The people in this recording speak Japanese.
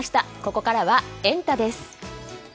ここからはエンタ！です。